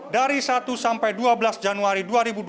dari satu sampai dua belas januari dua ribu dua puluh